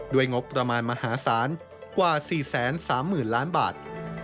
งบประมาณมหาศาลกว่า๔๓๐๐๐ล้านบาท